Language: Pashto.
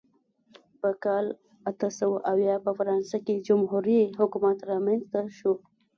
په کال اته سوه اویا په فرانسه کې جمهوري حکومت رامنځته شو.